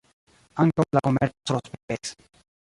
Ankaŭ la komerco prosperis.